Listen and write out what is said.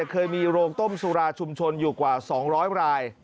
เคยมีโรงต้มสุราชุมชนอยู่กว่า๒๐๐ราย